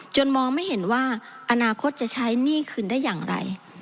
มองไม่เห็นว่าอนาคตจะใช้หนี้คืนได้อย่างไร